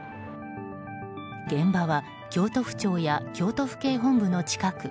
現場は京都府庁や京都府警本部の近く。